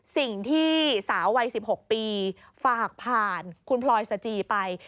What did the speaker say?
สิ่งที่สาววัย๑๖ปีฝากผ่านคุณพลอยสจีไป